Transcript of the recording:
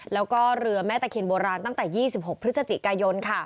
แล้วก็เรือแม่ตะเคียนโบราณตั้งแต่๒๖พฤศจิกายน